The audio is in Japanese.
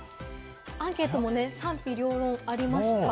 アンケートもね、賛否両論ありましたが。